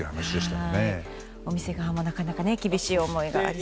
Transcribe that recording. お店側もなかなか厳しい思いが。